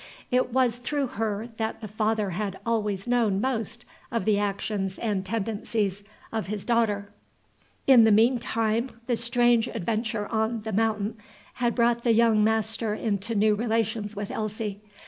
It was through her that the father had always known most of the actions and tendencies of his daughter. In the mean time the strange adventure on The Mountain had brought the young master into new relations with Elsie.